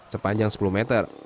sepanjang sepuluh meter